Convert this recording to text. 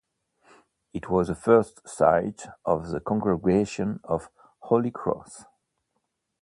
It was the first site of the Congregation of Holy Cross.